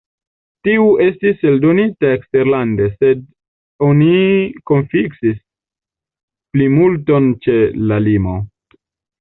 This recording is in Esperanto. Tiu estis eldonita eksterlande, sed oni konfiskis plimulton ĉe la limo.